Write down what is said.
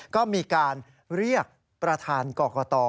ก็มีการเรียกประธานกรกต